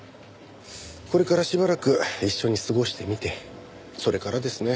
これからしばらく一緒に過ごしてみてそれからですね